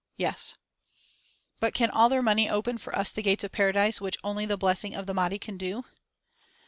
"Yes." "But can all their money open for us the gates of paradise which only the blessing of the Mahdi can do?"